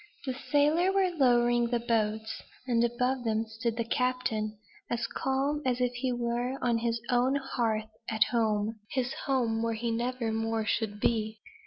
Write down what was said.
The sailors were lowering the boats; and above them stood the captain, as calm as if he were on his own hearth at home his home where he never more should be.